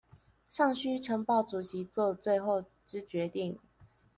尚須呈報主席做最後之決定